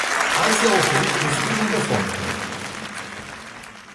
Ații au oferit un sprijin de fond.